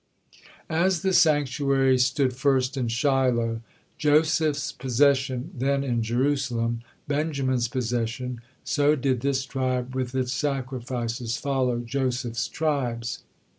As the sanctuary stood first in Shiloh, Joseph's possession, then in Jerusalem, Benjamin's possession, so did this tribe with its sacrifices follow Joseph's tribes.